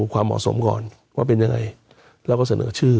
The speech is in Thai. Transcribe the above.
ความเหมาะสมก่อนว่าเป็นยังไงแล้วก็เสนอชื่อ